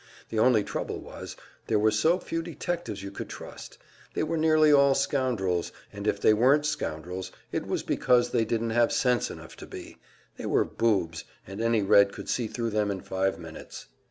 The only trouble was, there were so few detectives you could trust; they were nearly all scoundrels, and if they weren't scoundrels, it was because they didn't have sense enough to be they were boobs, and any Red could see thru them in five minutes.